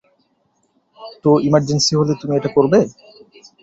তো ইমার্জেন্সি হলে তুমি এটা করবে?